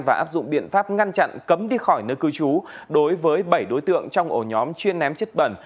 và áp dụng biện pháp ngăn chặn cấm đi khỏi nơi cư trú đối với bảy đối tượng trong ổ nhóm chuyên ném chất bẩn